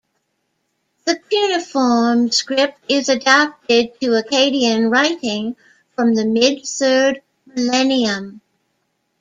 The cuneiform script is adapted to Akkadian writing from the mid third millennium.